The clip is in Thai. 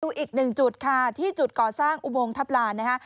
อีกหนึ่งจุดค่ะที่จุดก่อสร้างอุโมงทัพลานนะคะ